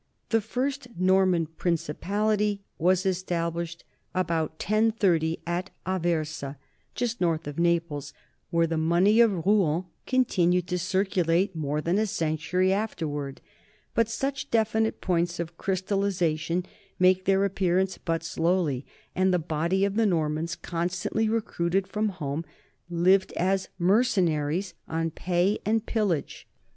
The first Norman principality was established about 1030 at A versa, just north of Naples, where the money of Rouen continued to circulate more than a century afterward; but such definite points of crystallization make their appearance but slowly, and the body of the Normans, constantly recruited from home, lived as mercenaries on pay and pillage.